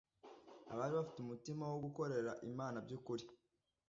abari bafite umutima wo gukorera Imana by'ukuri.